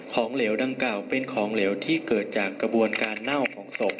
เหลวดังกล่าวเป็นของเหลวที่เกิดจากกระบวนการเน่าของศพ